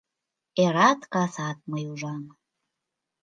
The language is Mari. Эрат, касат мый ужам